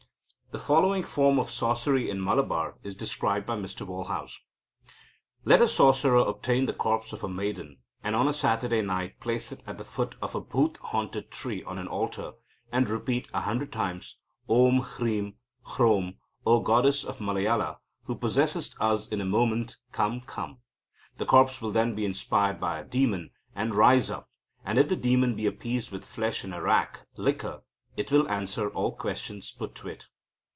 The following form of sorcery in Malabar is described by Mr Walhouse. "Let a sorcerer obtain the corpse of a maiden, and on a Saturday night place it at the foot of a bhuta haunted tree on an altar, and repeat a hundred times: Om! Hrim! Hrom! O goddess of Malayala who possessest us in a moment! Come! Come! The corpse will then be inspired by a demon, and rise up; and, if the demon be appeased with flesh and arrack (liquor), it will answer all questions put to it."